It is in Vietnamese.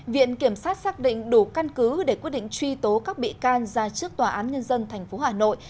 viện kiểm sát xác định đủ căn cứ để quyết định truy tố các bị can ra trước tòa án nhân dân tp hà nội